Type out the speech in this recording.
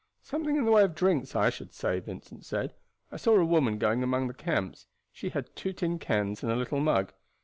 "Something in the way of drinks, I should say," Vincent said. "I saw a woman going among the camps. She had two tin cans and a little mug.